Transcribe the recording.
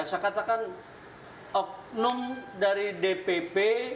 saya katakan oknum dari dpp